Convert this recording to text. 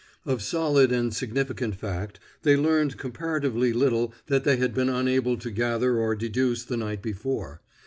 Of solid and significant fact, they learned comparatively little that they had been unable to gather or deduce the night before.